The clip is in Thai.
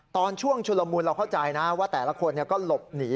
ตอนช่วงชุลมูลเราเข้าใจนะว่าแต่ละคนก็หลบหนี